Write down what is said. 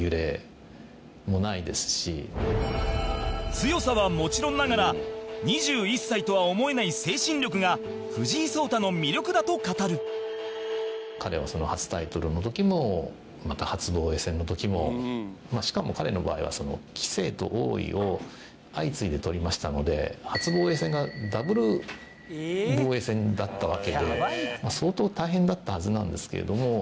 強さはもちろんながら２１歳とは思えない精神力が藤井聡太の魅力だと語る彼は、初タイトルの時もまた、初防衛戦の時もしかも、彼の場合は棋聖と王位を相次いでとりましたので初防衛戦がダブル防衛戦だったわけで相当、大変だったはずなんですけれども。